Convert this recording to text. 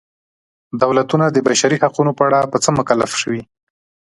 دولتونه د بشري حقونو په اړه په څه مکلف شوي.